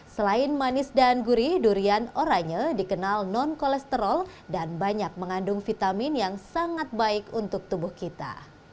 selain manis dan gurih durian oranye dikenal non kolesterol dan banyak mengandung vitamin yang sangat baik untuk tubuh kita